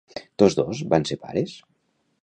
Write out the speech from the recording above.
Tots dos, van ser pares?